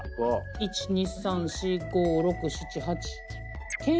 １２３４５６７８。